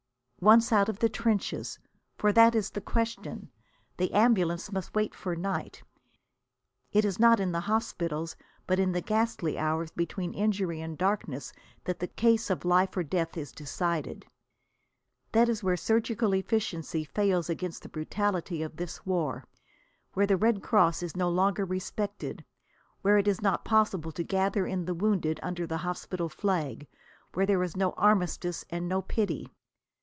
Once out of the trenches! For that is the question. The ambulances must wait for night. It is not in the hospitals but in the ghastly hours between injury and darkness that the case of life or death is decided. That is where surgical efficiency fails against the brutality of this war, where the Red Cross is no longer respected, where it is not possible to gather in the wounded under the hospital flag, where there is no armistice and no pity.